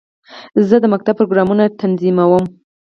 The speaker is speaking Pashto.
زه د ښوونځي پروګرامونه تنظیموم.